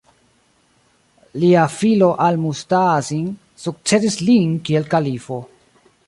Lia filo Al-Musta'sim sukcedis lin kiel kalifo.